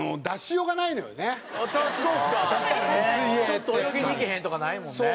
「ちょっと泳ぎに行けへん？」とかないもんね。